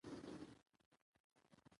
د افغانۍ ثبات د ملي اقتصاد د پیاوړتیا نښه ده.